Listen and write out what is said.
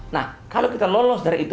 nah kalau kita lolos dari itu